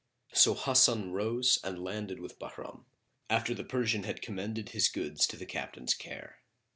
So Hasan rose and landed with Bahram, after the Persian had commended his goods to the captain's care.